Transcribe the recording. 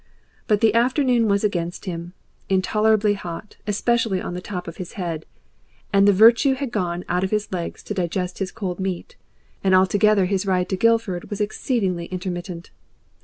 But the afternoon was against him, intolerably hot, especially on the top of his head, and the virtue had gone out of his legs to digest his cold meat, and altogether his ride to Guildford was exceedingly intermittent.